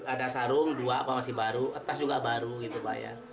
ada sarung dua apa masih baru tas juga baru gitu pak ya